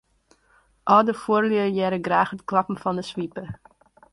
Alde fuorlju hearre graach it klappen fan 'e swipe.